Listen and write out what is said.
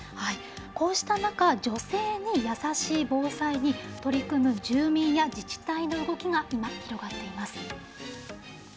こうした中、女性に優しい防災に取り組む住民や自治体の動きが今、広がっています。